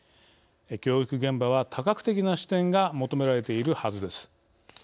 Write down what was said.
教育現場は多角的な視点が求められているはずです。